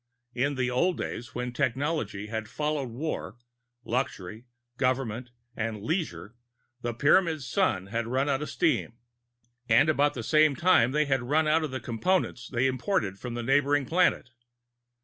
In the old days, when technology had followed war, luxury, government and leisure, the Pyramids' sun had run out of steam; and at about the same time, they had run out of the Components they imported from a neighboring planet.